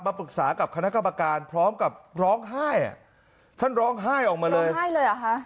ปรึกษากับคณะกรรมการพร้อมกับร้องไห้อ่ะท่านร้องไห้ออกมาเลยร้องไห้เลยเหรอคะ